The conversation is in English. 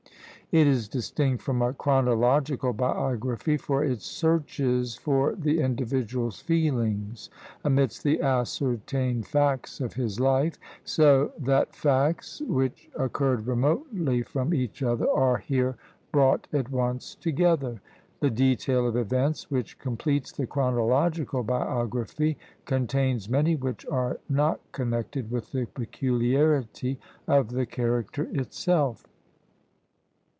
It is distinct from a chronological biography, for it searches for the individual's feelings amidst the ascertained facts of his life; so that facts, which occurred remotely from each other, are here brought at once together. The detail of events which completes the chronological biography, contains many which are not connected with the peculiarity of the character itself.